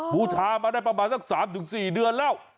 บูชามาได้ประมาณสัก๓๔เดือนแล้ว